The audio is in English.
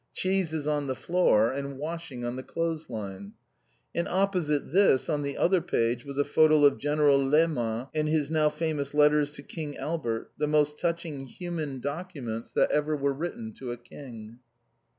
cheeses on the floor; and washing on the clothes line. And opposite this, on the other page was a photo of General Leman and his now famous letters to King Albert, the most touching human documents chat were ever written to a King.